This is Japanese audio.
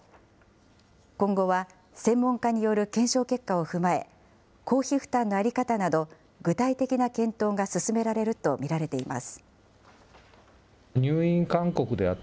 今後は専門家による検証結果を踏まえ、公費負担の在り方など、具体的な検討が進められると見られています。